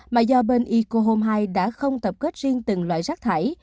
mà do bên ico home hai đã không tập kết riêng từng loại rác thải